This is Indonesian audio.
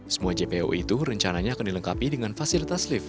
semua jpo itu rencananya akan dilengkapi dengan fasilitas lift